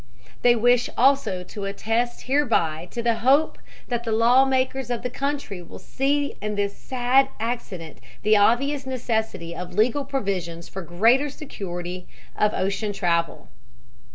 "They wish also to attest hereby to the hope that the law makers of the country will see in this sad accident the obvious necessity of legal provisions for greater security of ocean travel.